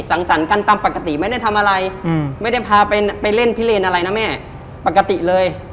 สังสรรค์กันตามปกติไม่ได้ทำอะไรไม่ได้พาไปเล่นพิเลนอะไรนะแม่ปกติเลย